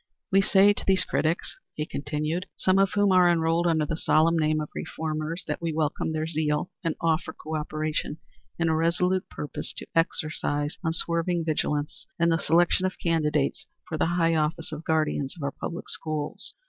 "We say to these critics," he continued, "some of whom are enrolled under the solemn name of reformers, that we welcome their zeal and offer co operation in a resolute purpose to exercise unswerving vigilance in the selection of candidates for the high office of guardians of our public schools.